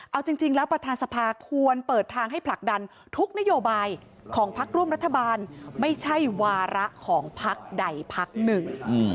เอาจริงแล้วประธานสภาควรเปิดทางให้ผลักดันทุกนโยบายของพักร่วมรัฐบาลไม่ใช่วาระของพักใดพักหนึ่ง